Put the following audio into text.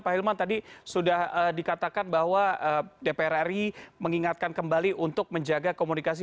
pak hilman tadi sudah dikatakan bahwa dpr ri mengingatkan kembali untuk menjaga komunikasi